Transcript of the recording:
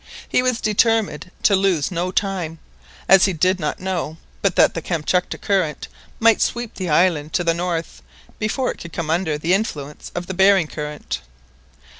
He was determined to lose no time, as he did not know but that the Kamtchatka Current might sweep the island to the north before it could come under the influence of the Behring Current.